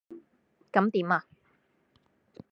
咁點呀?